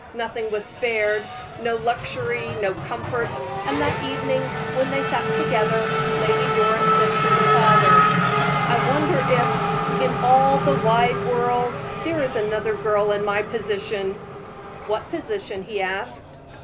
Nothing was spared no luxury, no comfort; and that evening, when they sat together, Lady Doris said to her father: "I wonder if, in all the wide world, there is another girl in my position." "What position?" he asked.